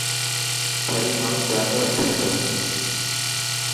ٿري ماڻهو جانور رکي ٿو.